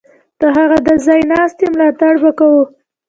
د هغه د ځای ناستي ملاتړ به کوو.